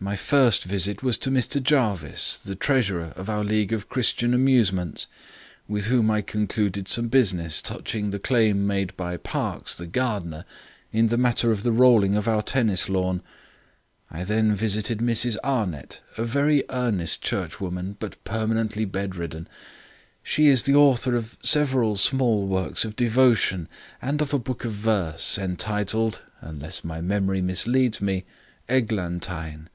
My first visit was to Mr Jervis, the treasurer of our League of Christian Amusements, with whom I concluded some business touching the claim made by Parkes the gardener in the matter of the rolling of our tennis lawn. I then visited Mrs Arnett, a very earnest churchwoman, but permanently bedridden. She is the author of several small works of devotion, and of a book of verse, entitled (unless my memory misleads me) Eglantine."